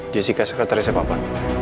jessica sekretarisnya papa